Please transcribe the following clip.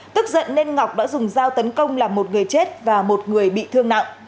tức giận nên ngọc đã dùng dao tấn công làm một người chết và một người bị thương nặng